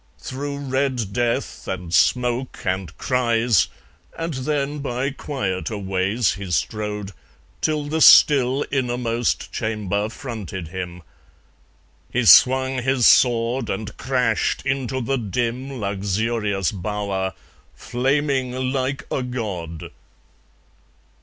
Through red death, and smoke, And cries, and then by quieter ways he strode, Till the still innermost chamber fronted him. He swung his sword, and crashed into the dim Luxurious bower, flaming like a god.